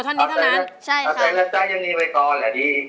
ประใจและใจยังมีไวตรอไหล่ดี